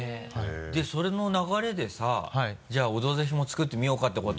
でそれの流れでさじゃあ「オドぜひ」も作ってみようかってこと？